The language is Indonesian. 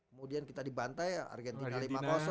kemudian kita di bantai argentina lima puluh